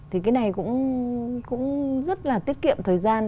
thì cái này cũng rất là tiết kiệm thời gian